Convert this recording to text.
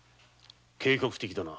計画的だな。